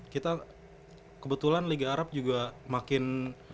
kita kebetulan liga arab juga makin